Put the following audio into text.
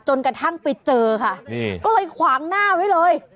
กระทั่งไปเจอค่ะนี่ก็เลยขวางหน้าไว้เลย